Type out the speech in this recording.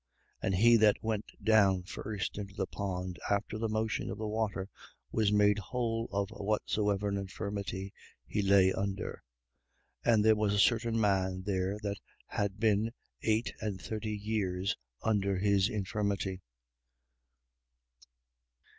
And he that went down first into the pond after the motion of the water was made whole of whatsoever infirmity he lay under. 5:5. And there was a certain man there that had been eight and thirty years under his infirmity.